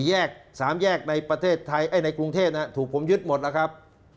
๔แยก๓แยกในกรุงเทพฯถูกผมยึดหมดแล้วครับ